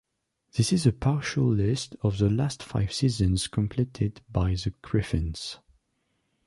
This is a partial list of the last five seasons completed by the Griffins.